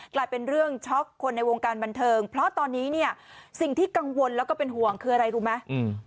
กลายเป็นเรื่องช็อกคนในวงการบันเทิงเพราะตอนนี้เนี่ยสิ่งที่กังวลแล้วก็เป็นห่วงคืออะไรรู้ไหม